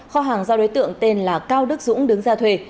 kho hàng do đối tượng tên là cao đức dũng đứng ra thuê